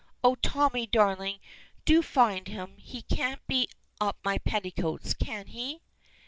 "Oh, Tommy, darling! Do find him. He can't be up my petticoats, can he?"